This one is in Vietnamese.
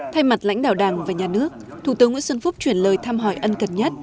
thay mặt lãnh đạo đảng và nhà nước thủ tướng nguyễn xuân phúc chuyển lời thăm hỏi ân cần nhất